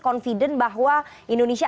confident bahwa indonesia